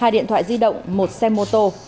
hai điện thoại di động một xe mô tô